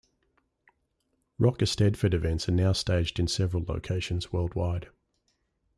Rock Eisteddfod events are now staged in several locations worldwide.